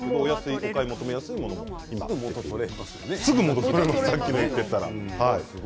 お買い求めやすいものもあります。